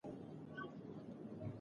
ښوونکي له زده کوونکو سره مرسته کوي.